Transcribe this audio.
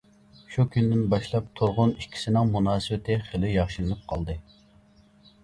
شۇ كۈندىن باشلاپ تۇرغۇن ئىككىسىنىڭ مۇناسىۋىتى خېلى ياخشىلىنىپ قالدى.